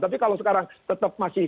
tapi kalau sekarang tetap masih